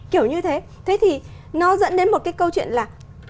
kiểu như thế thế thì nó dẫn đến một cái câu chuyện là